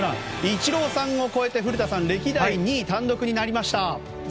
イチローさんを超えて古田さん歴代２位単独になりました。